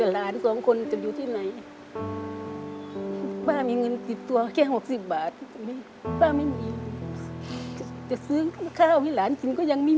เหนื่อยมากครับ